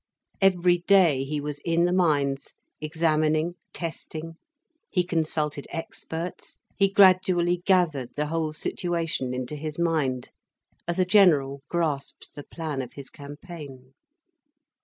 Every day he was in the mines, examining, testing, he consulted experts, he gradually gathered the whole situation into his mind, as a general grasps the plan of his campaign.